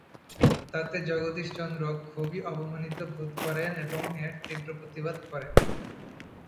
তাতে জগদীশচন্দ্র খুবই অপমানিত বোধ করেন এবং এর তীব্র প্রতিবাদ করেন।